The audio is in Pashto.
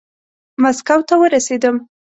ماسکو ته ورسېدم.